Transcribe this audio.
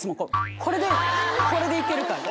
これでこれで行けるから。